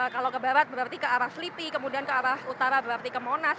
kalau ke barat berarti ke arah selipi kemudian ke arah utara berarti ke monas